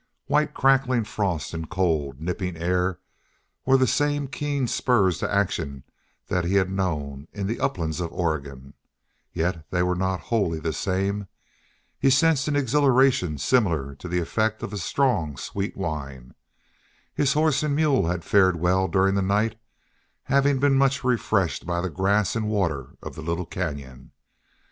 White, crackling frost and cold, nipping air were the same keen spurs to action that he had known in the uplands of Oregon, yet they were not wholly the same. He sensed an exhilaration similar to the effect of a strong, sweet wine. His horse and mule had fared well during the night, having been much refreshed by the grass and water of the little canyon.